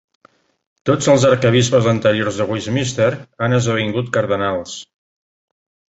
Tots els arquebisbes anteriors de Westminster han esdevingut cardenals.